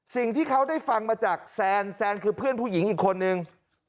สิ่งที่เขาได้ฟังมาจากแซนคือเพื่อนผู้หญิงอีกคนนึง